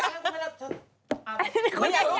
ปย์อยากรู้